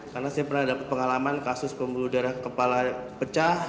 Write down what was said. karena saya pernah dapat pengalaman kasus pembuluh darah kepala pecah